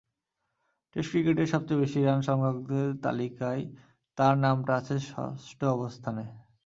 Test ক্রিকেটের সবচেয়ে বেশি রান সংগ্রাহকদের তালিকায় তাঁর নামটা আছে ষষ্ঠ অবস্থানে।